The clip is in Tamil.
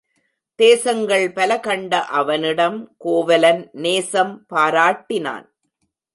தேசங்கள் பல கண்ட அவனிடம் கோவலன் நேசம் பாராட்டினான்.